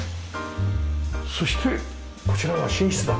そしてこちらは寝室だ？